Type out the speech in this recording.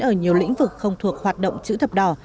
ở nhiều lĩnh vực không thuộc hoạt động chữ thập đỏ